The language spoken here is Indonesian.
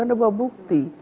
anda bawa bukti